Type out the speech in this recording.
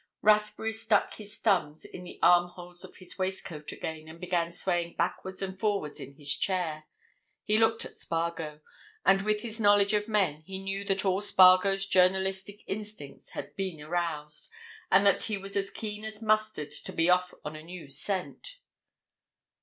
Rathbury stuck his thumbs in the armholes of his waistcoat again and began swaying backwards and forwards in his chair. He looked at Spargo. And with his knowledge of men, he knew that all Spargo's journalistic instincts had been aroused, and that he was keen as mustard to be off on a new scent.